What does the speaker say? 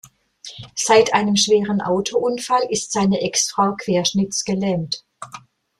Seit einem schweren Autounfall ist seine Ex-Frau querschnittsgelähmt.